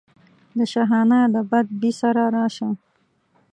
د شاهانه دبدبې سره راشه.